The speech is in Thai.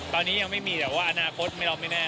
ตอนนี้ยังไม่มีแต่ว่าอนาคตไม่รับไม่แน่